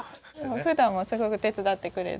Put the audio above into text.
ふだんはすごく手伝ってくれる。